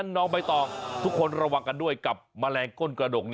น้องใบตองทุกคนระวังกันด้วยกับแมลงก้นกระดก